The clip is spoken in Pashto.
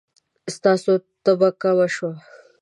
ستاسو تبه کمه شوه؟